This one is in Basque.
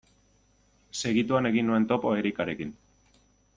Segituan egin nuen topo Erikarekin.